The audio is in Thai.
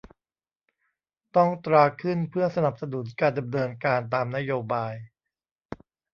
ต้องตราขึ้นเพื่อสนับสนุนการดำเนินการตามนโยบาย